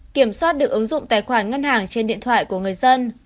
kiểm soát được ứng dụng tài khoản ngân hàng trên điện thoại của người dân